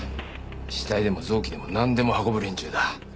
死体でも臓器でもなんでも運ぶ連中だ。